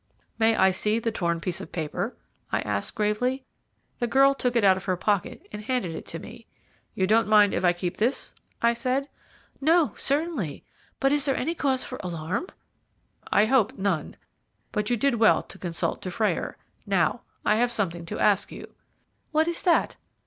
"May I see the torn piece of paper?" I asked gravely. The girl took it out of her pocket and handed it to me. "You don't mind if I keep this?" I said. "No, certainly; but is there any cause for alarm?" "I hope none, but you did well to consult Dufrayer. Now, I have something to ask you." "What is that?"